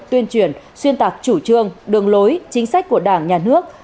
tuyên truyền xuyên tạc chủ trương đường lối chính sách của đảng nhà nước